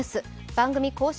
番組公式